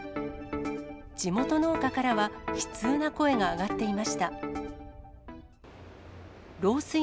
地元農家からは、悲痛な声が上がっていました。